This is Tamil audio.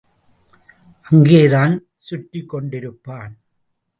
அங்கேதான் சுற்றிக் கொண்டிருப்பான்.